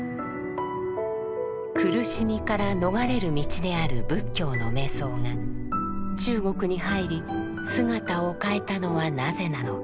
「苦しみから逃れる道」である仏教の瞑想が中国に入り姿を変えたのはなぜなのか。